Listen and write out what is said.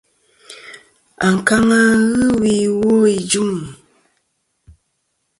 Ankaŋa wi iwo ijuŋi.